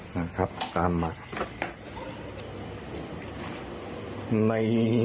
น่าครับตามมา